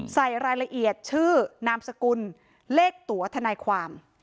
ใส่รายละเอียดชื่อนามสกุลเลขตัวทนายความ